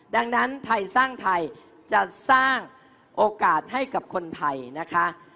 ดังนั้นไทยสร้างไทยจะสร้างโอกาสให้กับคนไทยนะคะ